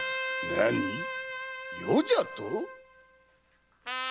何⁉「余」じゃと？